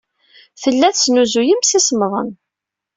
Tella tesnuzuy imsisemḍen.